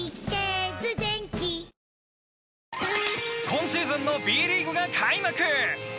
今シーズンのＢリーグが開幕！